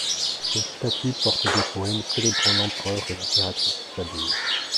Cette statue porte des poèmes célébrant l'empereur et l'impératrice Sabine.